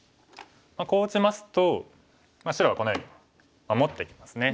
こう打ちますと白はこのように守ってきますね。